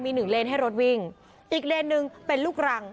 มีหนึ่งเลนให้รถวิ่งอีกเลนหนึ่งเป็นลูกรัง